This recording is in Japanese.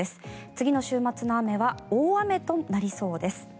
次の週末の雨は大雨となりそうです。